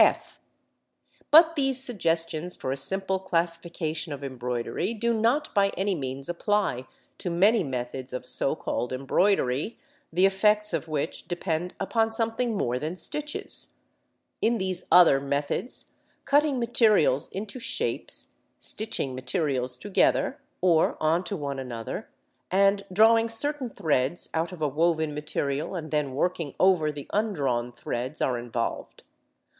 (f) But these suggestions for a simple classification of embroidery do not by any means apply to many methods of so called embroidery, the effects of which depend upon something more than stitches. In these other methods cutting materials into shapes, stitching materials together, or on to one another, and drawing certain threads out of a woven material and then working over the undrawn threads, are involved.